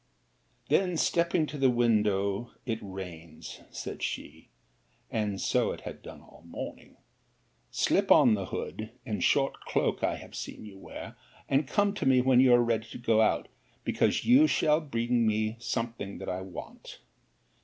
'Then stepping to the window, it rains, said she, [and so it had done all the morning:] slip on the hood and short cloak I have seen you wear, and come to me when you are ready to go out, because you shall bring me in something that I want.